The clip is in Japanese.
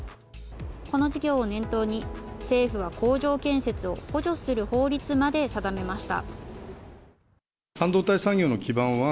この事業を念頭に政府は工場建設を補助する法律まで定めました。